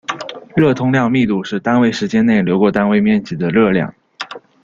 热通量密度是单位时间内流过单位面积的热量。